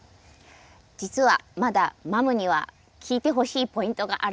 実はまだマムには聞いてほしいポイントがあるんです。